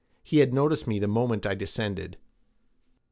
He had noticed me the moment I descended.